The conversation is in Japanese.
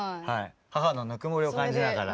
母のぬくもりを感じながら。